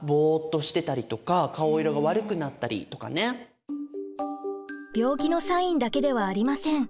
例えば病気のサインだけではありません。